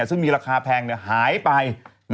ซึ่งมีราคาแพงหายไป